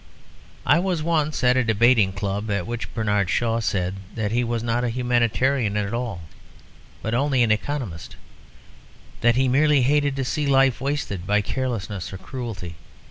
I was once at a debating club at which Bernard Shaw said that he was not a humanitarian at all, but only an economist, that he merely hated to see life wasted by carelessness or cruelty.